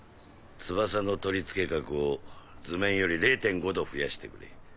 翼の取り付け角を図面より０．５度増やしてくれ。